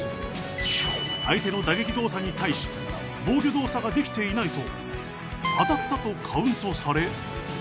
相手の打撃動作に対し防御動作ができていないと当たったとカウントされ。